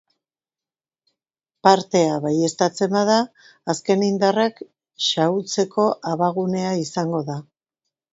Partea baieztatzen bada, azken indarrak xahutzeko abagunea izango da.